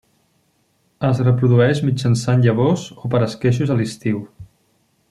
Es reprodueix mitjançant llavors o per esqueixos a l'estiu.